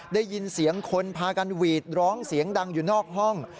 ได้ยินเสียงคนพากันหวีดร้องเสียงดังอยู่นอกห้อง